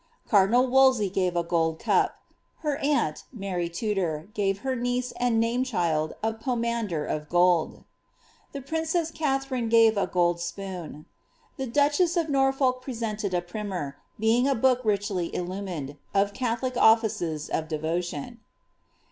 Cardinal Wolsey gave a gold cup ; her aunt, Alary Tudor, gavi her niece and name child a pomander of gold.' The princess Katha rine gave a gold spoon ; and the duchess of Norfolk presented a primer, being a book richly illuminated, of catholic offices of devotion.